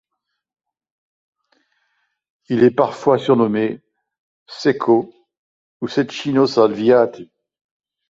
Il est parfois surnommé Cecco ou Cecchino Salviati.